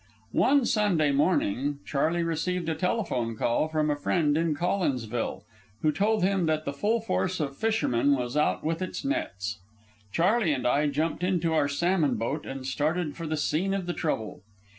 One Sunday morning, Charley received a telephone call from a friend in Collinsville, who told him that the full force of fishermen was out with its nets. Charley and I jumped into our salmon boat and started for the scene of the trouble.